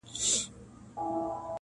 چی تل پایی باک یې نسته له ژوندونه-